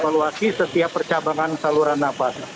evaluasi setiap percabangan saluran nafas